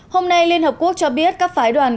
hôm nay liên hợp quốc cho biết các phái đoàn